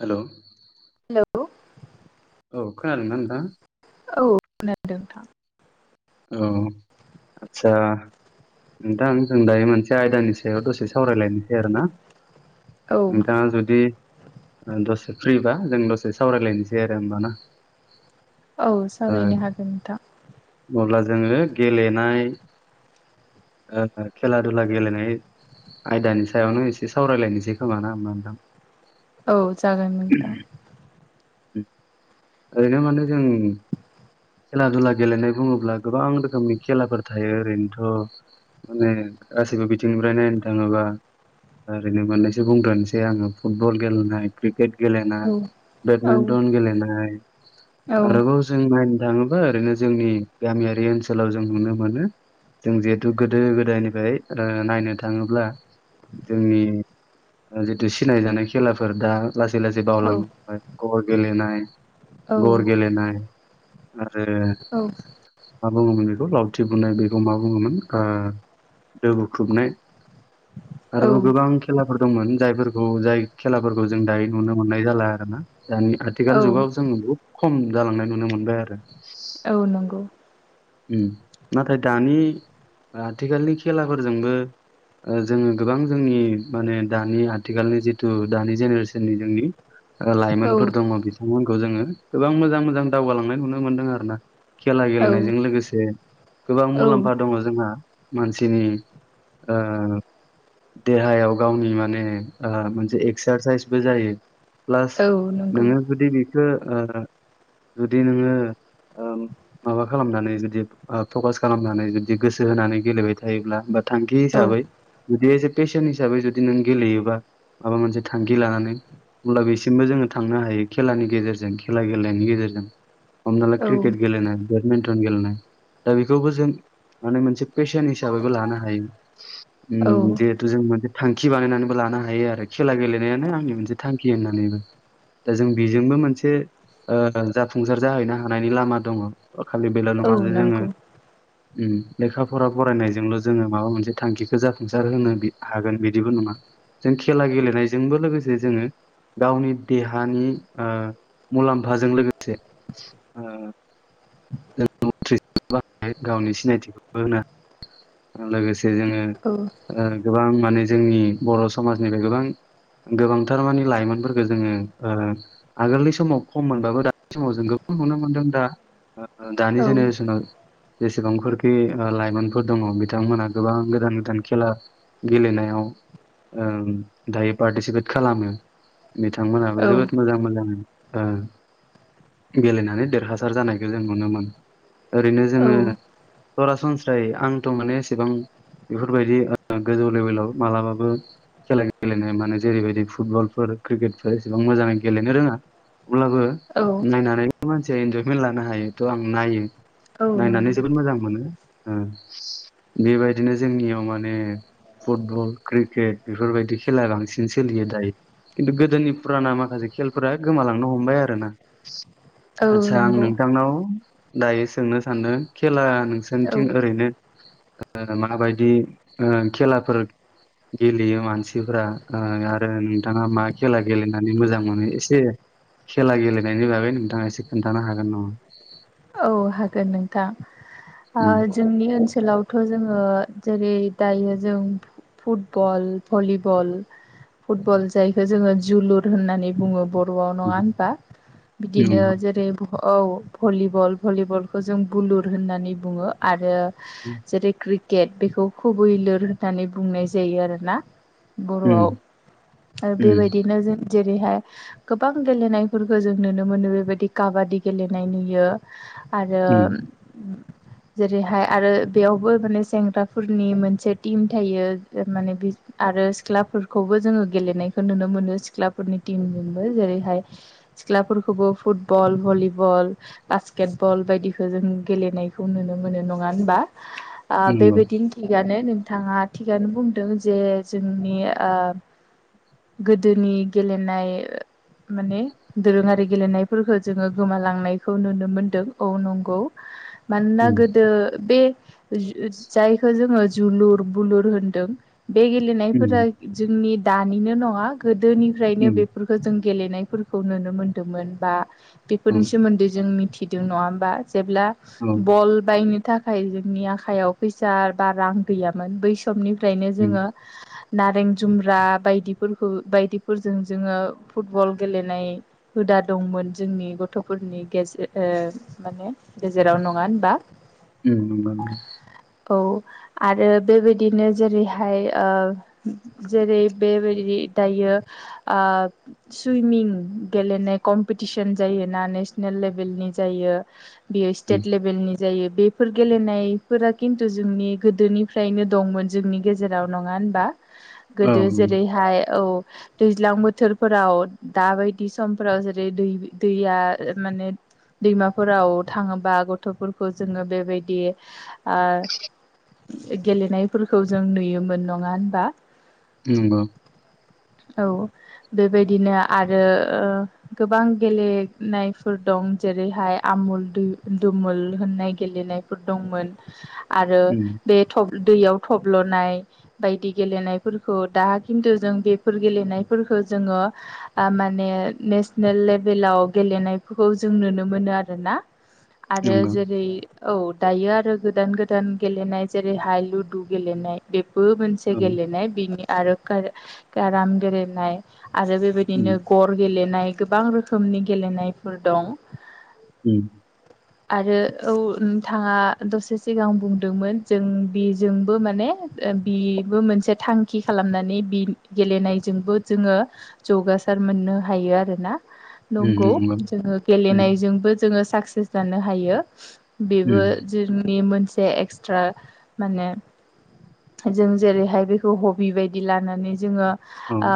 हेल'। Hello औ खोनादोंना नोंथां। औ नोंथां। औ आदसा नोंथां जों दायो मोनसे। आयदानि सायाव दसे सावरायलायनोसै आरो ना? औ नोंथाङा जुदि दसे फ्रिबा जों दसे सावरायलायनोसै आरो होमबा ना। औ सावरायनो हागोन नोंथां। अब्ला जोङो गेलेनाय। खेला दुला गेलेनाय आयदानि सायावनो एसे सावरायलायनोसै खोमा ना होनबा नोंथां। औ जागोन नोंथां। ओरैनो माने जों खेला दुला गेलेनाय बुङोब्ला गोबां रोखोमनि खेलाफोर थायो ओरैनोथ'। माने गासिबो बिथिंनिफ्राय नायनो थाङोबा। ओरैनो मोनैसो बुंग्रोनोसै आङो फुटबल गेलेनाय क्रिकेट। गेलेनाय औ औ बेदमिन्टन गेलेनाय औ आरोबाव जों नायनो थाङोब्ला। ओरैनो जोंनि गामियारि ओनसोलाव जों नुनो मोनो जों। गोदो गोदायनिफ्राय नायनो थाङोब्ला जोंनि जितु सिनायजानाय खेलाफोर दा लासै लासै औ बावलांबाय गर गेलेनाय। गर गेलेनाय आरो मा बुङोमोन बेखौ लावथि बुनाय बेखौ मा बुङोमोन। ओ दो बुखुबनाय औ आरोबाव गोबां खेला फोर दंमोन जायफोरखौ जाय खेलाफोरखौ जों दायो नुनो मोननाय जाला आरो ना। दानि आथिखाल औ जुगाव जोङो बहुद खम जालांनाय नुनो मोनबाय आरो। औ नंगौ नाथाय दानि आथिखालनि खेलाफोरजोंबो। जोङो गोबां जोंनि माने दानि आथिखालनि जिथु दानि जेनेरेसननि जोंनि। औ लाइमोनफोर दङ बिथांमोनखौ जोङो गोबां मोजां मोजां दावगालांनाय नुनो मोनदों आरो ना। खेला औ गेलेनायजों लोगोसे गोबां औ मुलाम्फा दङ। जोंहा मानसिनि ओ। देहायाव गावनि माने मोनसे एक्सारसाइसबो जायो। प्लास औ नंगौ नोङो जुदि बेखौ। जुदि नोङो माबा खालामनानै जुदि फकास खालामनानै जुदि बिदि गोसो होनानै गेलेबाय थायोब्ला बा थांखि औ हिसाबै। जुदि एस ए पेसन हिसाबै जुदि नों गेलेयोबा माबा मोनसे थांखि लानानै। अब्ला बेसिमबो जोङो थांनो हायो खेलानि गेजेरजों खेला गेलेनायनि गेजेरजों हमना ला औ क्रिकेट गेलेनाय बेडमिन्टन गेलेनाय दा बेखौबो जों माने मोनसे पेसन हिसाबैबो लानो हायो उ औ जिहेथु जों मोनसे थांखि बानायनानैबो लानो हायो आरो खेला गेलेनायानो आंनि मोनसे थांखि होननानैबो दा जों बेजोंबो मोनसे जाफुंसार जाहैनो हानायनि लामा दङ खालि बेल औ नङाजे जोङो नंगौ लेखा फरा फरायनायजोंल' जोङो माबा मोनसे थांखिखौ जाफुंसार होनो हागोन बिदिबो नङा जों खेला गेलेनायजोंबो लोगोसे जोङो गावनि देहानि मुलाम्फाजों लोगोसे गावनि सिनायथिखौबो होनो हायो लोगोसे जोङो औ गोबां माने जोंनि बर' समाजनिफ्राय गोबां गोबांथारमानि लाइमोनफोरखौ जोङो आगोलनि समाव खम मोनबाबो दानि समाव जों नुनो मोनदों दा औ दानि जेनेरेसनाव जेसेबांफोरखि लाइमोनफोर दङ बिथांमोनहा गोबां गोदान गोदान खेला गेलेनायाव ओ दायो पार्टिसिपेट खालामो बिथांमोनहाबो औ जोबोद मोजां मोजाङै ओ गेलेनानै देरहासार जानायखौ जों नुनो मोनो ओरै जोङो औ सरासनस्रायै आंथ' माने एसेबां बेफोरबायदि ओ गोजौ लेभेलाव मालाबाबो खेला गेलेनाय माने जेरैबायदि फुटबलफोर क्रिकेटफोर एसेबां मोजाङै गेलेनो रोङा अब्लाबो नायनानैनो मानसिया इन्जयमेन्ट लानो हायो थ' आं नायो नायनानै नंगौ जोबोद मोजां मोनो ओ बेबायदिनो जोंनियाव माने फुटबल क्रिकेट बेफोरबायदि खेला बांसिन सोलियो दायो खिन्थु गोदोनि फुराना माखासे खेलफोरा गोमालांनो हमबाय आरो ना औ आदसा आं नंगौ नोंथांनाव दायो सोंनो सानदों खेला औ नोंसोरनिथिं ओरैनो माबायदि खेलाफोर गेलेयो मानसिफ्रा आरो नोंथाङा मा खेला गेलेनानै मोजां मोनो एसे खेला गेलेनायनि बागै नोंथाङा एसे खोन्थानो हागोन नामा औ हागोन नोंथां ओ उम जोंनि ओनसोलावथ' जोङो जेरै दायो जों फुटबल भलिबल फुटबल जायखौ जोङो जोलुर होननानै बुङो बर' बर'आव नङा होनबा बिदिनो नंगौ जेरै भलि बल भलिबलखौ जों बुलुर होननानै बुङो आरो उम जेरै कृ केट बेखौ खुबैलुर होननानै बुंनाय जायो आरोना बर'आव आरो उम बेबायदिनो जों जेरैहाय गोबां गेलेनायफोरखौ जों नुनो मोनो बेबायदि काबादि गेलेनाय नुयो उम आरो जेरैहाय आरो बेयावबो माने सेंग्राफोरनि मोनसे टिम थायो माने आरो सिख्लाफोरखौबो जोङो गेलेनायखौ नुनो मोनो सिख्लाफोरनि टिमजोंबो जेरैहाय सिखलाफोरखौबो फुटबल भलिबल बासकेट बल बायदिखौ जों गेलेनायखौ नुनो मोनो नङा होनबा नंगौ बेबायदिनो थिगानो नोंथाङा थिगानो बुंदों जे जोंनि ओ गोदोनि गेलेनाय माने दोरोङारि गेलेनायफोरखौ जोङो गोमालांनाय खौ नुनो मोनदों औ नंगौ मानोना उम गोदो बे जायखौ जोङो जोलुर बुलुर होनदों बे उम गेलेनायफोरा जोंनि दानिनो नङा गोदोनिफ्रायनो उम बेफोरखौ जों गेलेनायफोरखौ नुनो मोनदोंमोन बा औ बेफोरनि सोमोन्दै जों मिथिदों नङा होमबा जेब्ला औ बल बायनो थाखाय जोंनि आखायाव फैसा बा रां गैयामोन बैस समनिफ्रायनो उम जोङो नारें जुमब्रा बायदिफोरखौ बायदिफोरजों जोङो फुटबल गेलेनाय होद दा दंमोन जोंनि गथ'फोरनि गेजेर माने गेजेराव नङा होनबा ओम नंगौ औ आरो बेबायदिनो जेरैहाय ओ जेरै बेबायदि दायो ओ सुइमिं गेलेनाय कम्पिटिसन जायोना ना नेल लेभेलनि जायो बेयो उम स्टेट लेभेलनि जायो बेफोर गेलेनायफोरा किनतु जोंनि गोदोनिफ्रायनो दंमोन जोंनि गेजेराव नङा होनबा? औ गोदो जेरैहाय औ दैज्लां बोथोरफोराव दाबायदि समफोराव जेरै दै दैया माने दैमाफोराव थाङोबा गथ'फोरखौ जोङो बेबायदि ओ गेलेनायफोरखौ जों नुयोमोन नङा होनबा नंगौ औ बेबायदिनो आरो ओ गोबां गेले नाय फोर दं जेरैहाय आमुल दु दुमुल होननाय गेलेनायफोर दंमोन आरो उम बे थ दैयाव थब्ल'नाय बायदि गेलेनायफोरखौ दा किनतुजों बेफोर गेलेनायफोर खौ जोङो ओ माने नेसनेल लेभेलाव गेलेनायफोरखौ जों नुनो मोनो आरोना आरो नंगौ जेरै औ दायो आरो गोदान गोदान गेलेनाय जेरैहाय लुदु गेलेनाय बे बो मोनसे औ गेलेनाय बिनि आरो कोर केराम गेलेनाय आरो उम बेबायदिनो गर गेलेनाय गोबां रोखोमनि गेलेनायफोर दं ओम आरो औ नोंथाङा दसे सिगां बुंदोंमोन जों बिजोंबो माने ओ बिबो मोनसे थांखि खालामनानै बि गेलेनायजोंबो जोङो जौगा सार मोननो हायो आरोना नंगौ जोङो उम गेलेनायजोंबो जोङो साक्सेस जानो हायो बेबो उम जोंनि मोनसे एक्सट्रा माने जों जेरैहाय बेखौ हबि बायदि लानानै जोङो औ ओ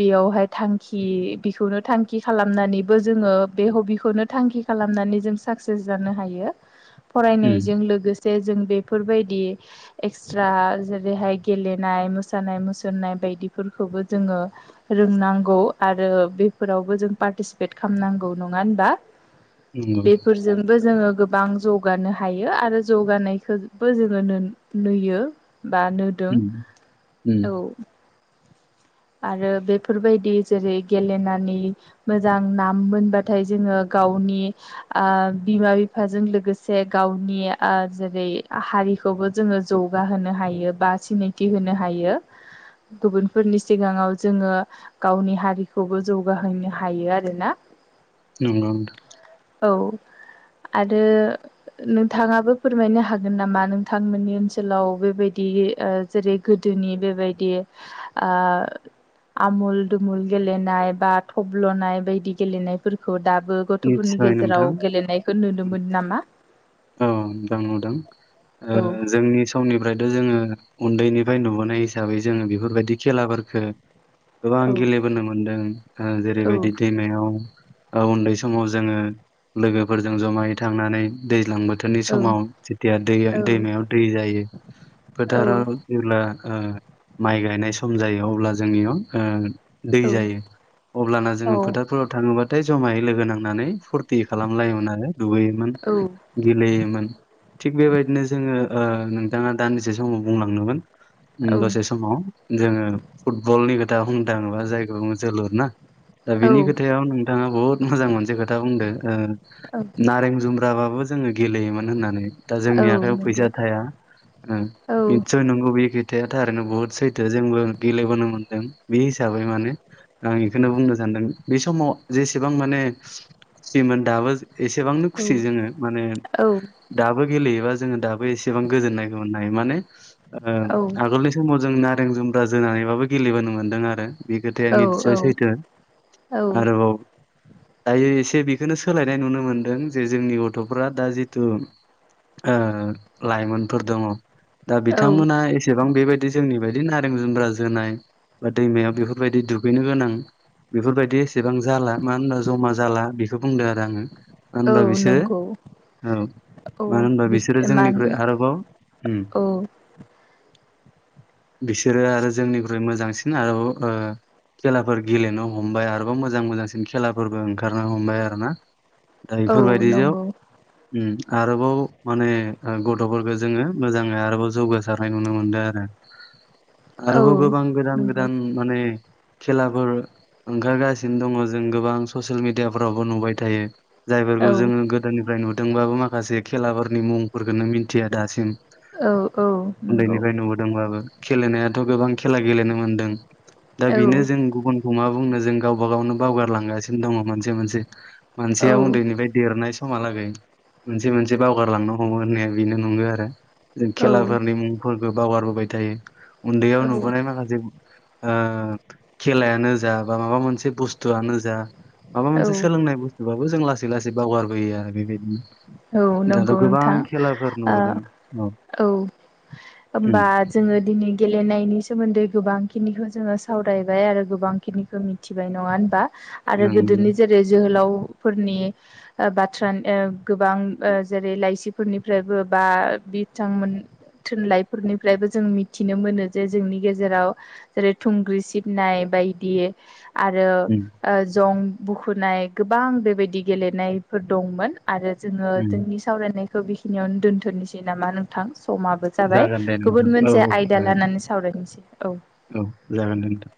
बेयावहाय थांखि बिखौनो थांखि खि खालामनानैबो जोङो बे हबिखौनो थांखि खालामनानै जों साक्सेस जानो हायो उम फरायनायजों लोगोसे जे जों बेफोरबायदि एक्सट्रा जेरैहाय गेलेनाय मोसानाय- मुसुरनाय बायदिफोरखौबो जोङो रोंनांगौ आरो बेफोराव जों पारतिसिपेत खामनांगौ नङा ओनबा नंगौ बेफोरजोंबो जोङो गोबां जौगानो हायो आरो जौगानायखो बो जोङो नों नुयो । बा नोदों उम उम औ आरो बेफोरबायदि जेरै गेलेनानै मोजां नाम मोनबाथाय जोङो गावनि ओ बिमा-बिफाजों लोगोसे गावनि ओ जेरै हारि खौबो जोङो जौगा होनो हायो बा सिनायथि होनो हायो गुबुनफोरनि सिगाङाव जोङो गावनि हारिखौबो जौगाहोनो हायो आरोना नंगौ नोंथां औ आरो नोंथाङाबो फोरमायनो हागोन नामा नोंथांमोननि ओनसोलाव बेबायदि ओ जेरै गोदो जोंनि बेबायदि ओ आमुल दुमुल गेलेनाय बा थब्ल'नाय बायदि गेलेनायफोरखौ दा बो गथ'फोरनि मिथिबाय नोंथां गेजेराव गेलेनायखौ नुनो मोनो नामा? औ दं नुदों ओ औ जोंनि समनिफ्रायथ' जोङो उनदैनिफाय नुबोनाय हिसाबै जोङो बिफोरबायदि खेलाफोरफोरखो गोबां औ गेलेबोनो मोनदों ओ औ जेरैबायदि दैमायाव ओ उनदै समाव जोङो लोगोफोरजों जमायै थांनानै दैज्लां बो उनदै औ समाव जेतिया दै दैमायाव दै जायो औ फोथाराव जेब्ला ओ माइ गायनाय सम जायो अब्ला जोंनियाव ओ दै जायो अब्लाना जोङो फोथारफोराव थाङोबाथाय ज'मायै लोगो नांनानै फुर थि खालामलायोमोन आरो दुगैयोमोन, औ गेलेयोमोन थिग बेबायदिनो जोङो ओ नोंथाङा दानदिसे समाव बुंलांदोमोन ओम दसे समाव जोङो फुटबलनि खोथा बुंनो थाङोबा जायखौ जोलुर ना दा औ बिनि खोथायाव नोंथाङा बहुत मोजां मोनसे खोथा बुंदों नारें जुमब्राबाबो जोङो गेलेयोमोन होननानै दा औ जोंनि आखाइायाव नंगौ फैसा थाया औ निस्सय नंगौ बेख खोथाया थारैनो बुहुद सैथो जोंबो गेलेबोनो मोन्दों बे हिसाबै माने आं बेखौनो बुंनो सानदों बे समाव जेसेबां माने खुसिमोन दाबो एसेबांनो औ खुसि जोङो माने औ दाबो गेलेयोबा जोङो दाबो एसेबां गोजोननायखौ मोननो‌ हायो माने आगोलनि समाव जों नारें जुमब्रा जोनानैबाबो गेलेबोनो मोन्दों आरो बे खोथाया औ निससय सैथो औ आरोबाव दायो एसे बेखौनो सोलायनाय नुनो मोनदों जे जोंनि गथ'फ्रा दा जिथु ओ लाइमोनफोर दङ' दा औ बिथांमोना एसेबां बेबायदि जोंनि बायदि नारें जुमब्रा जोनाय बा दैमायाव बेफोरबायदि दुगैनो गोनां बेफोरबायदि एसेबां जाला मानो होनबा जमा जाला बेखौ बुंदों आरो आङो मानो औ होनबा बिसोरो नंगौ औ औ मानो होनबा बिस बिसोरो मान जोंनिख्रुइ आरोबाव औ बिसोरो आरो जोंनिख्रुइ मोजांसिन आरो ओ खेलाफोर गेलेनो हमबाय आरोबाव मोजां मोजांसिन खेलाफोरबो ओंखारनो हमबाय आरो ना औ बेफोरबायदिजों नंगौ ओ आरोबाव माने गथ'फोरखौ जोङो मोजाङै आरोबाव जौगासारनाय नुनो मोनदों आरो औ आरोबाव गोबां गोदान नंगौ गोदान माने खेलाफोर ओंखारगासिनो दङ जों गोबां ससियेल मिेडियाफ्रावबो नुबाय थायो जायफोरखौ औ जोङो गोदोनिफ्राय नुदोंबाबो माखासे खेलाफोरनि मुंफोरखौनो मिथिया दासिम औ औ नंगौ उन्दैनिफ्राय नुबोदोंबाबो गेलेनायाथ' गोबां खेला गेलेनो मोनदों दा औ बेनो जों गुबुनखौ मा बुंनो जों गावबा गावनो बावगारलांगासिनो दङ मोनसे मोनसे मानसेया उन्दैनिफ्राय देरनाय समहालागै मोनसे मोनसे बावगारलांनो हमो होननाया बेनो नंगौ आरो जों औ खेलाफोरनि मुंफोरखौ बावगारबोबाय थायो उन्दैयाव नुबोनाय माखासे ओ खेलायानो जा बा माबा मोनसे बुस्थुआनो जा माबा औ मोनसे सोलोंनाय बुस्थुब बाबो जों लासै लासै बावगारबोयो आरो बेबायदि औ नंगौ नोंथां खेलाफोर नुबोदों औ उम होमबा जोङो दिनै गेलेनायनि सोमोन्दै गोबां खिनि जोङो सावरायबाय आरो गोबां खिनिखौ मिथिबाय नङा होनबा आरो उम गोदोनि जेरै जोहोलाव फोरनि बाथ्रा गोबां जेरै लाइसिफोरनिफ्रायबो बा बिथांमोन थुनलाइफोरनिफ्रायबो जों मिथिनो मोनो जे जोंनि गेजेराव जेरै थुंग्रि सिबनाय बायदि आरो उम जं बुखुनाय गोबां बेबायदि गेलेनायफोर दंमोन आरो जोङो उम जोंनि सावरायनायखौ बेखिनियावनो दोन्थ'नोसै नामा नोंथां समाबो जाबाय जागोन दे नोंथां गुबुन औ मोनसे औ आयदा जागोन लानानै सावरायनोसै औ औ जागोन दोनथां।